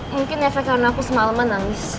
mungkin efek karun aku semaleman namis